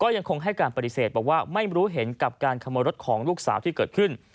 ยังคงให้การปฏิเสธบอกว่าไม่รู้เห็นกับการขโมยรถของลูกสาวที่เกิดขึ้น